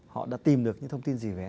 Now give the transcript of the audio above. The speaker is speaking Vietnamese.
họ đã tìm được những thông tin gì về